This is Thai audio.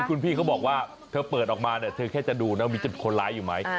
คุณพี่เขาบอกว่าเธอเปิดออกมาเนี่ยเธอแค่จะดูนะมีจุดคนร้ายอยู่ไหม